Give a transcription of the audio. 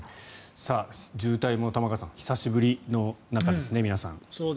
渋滞も玉川さん久しぶりですね、皆さん。